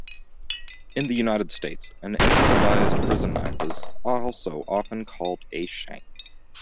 In the United States, an improvised prison knife is also often called a shank.